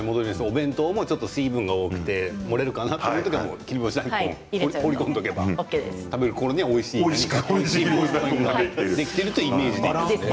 お弁当も水分が多くて漏れるかなという時は切り干し大根を放り込んでおけば食べるころにはおいしくできているという意味ですね。